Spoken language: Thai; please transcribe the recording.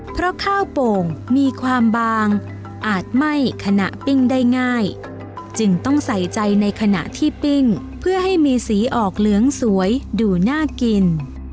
เพราะข้าวโป่งมีความบางอาจไหม้ขณะปิ้งได้ง่ายจึงต้องใส่ใจในขณะที่ปิ้งเพื่อให้มีสีออกเหลืองสวยดูน่ากิน